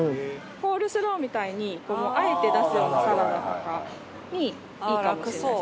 コールスローみたいに和えて出すようなサラダとかにいいかもしれないですね。